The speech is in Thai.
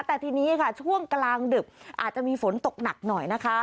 แต่ทีนี้ค่ะช่วงกลางดึกอาจจะมีฝนตกหนักหน่อยนะคะ